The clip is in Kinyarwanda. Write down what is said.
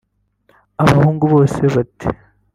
Abahungu bose bati